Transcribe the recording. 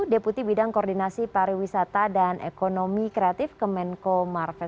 deputi bidang koordinasi pariwisata dan ekonomi kreatif kemenko marves